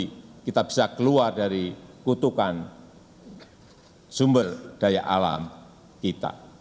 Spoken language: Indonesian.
tapi kita bisa keluar dari kutukan sumber daya alam kita